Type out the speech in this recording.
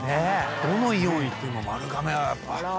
どのイオン行っても丸亀はやっぱ。